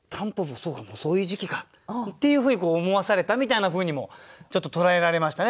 そうかもうそういう時期か」っていうふうに思わされたみたいなふうにもちょっと捉えられましたね。